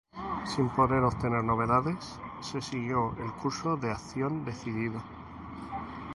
Sin poder obtener novedades, se siguió el curso de acción decidido.